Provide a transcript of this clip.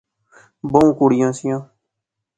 بہوں کڑیاں سیاں